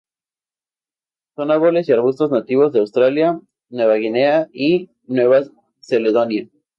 Son árboles y arbustos nativos de Australia, Nueva Guinea y Nueva Caledonia.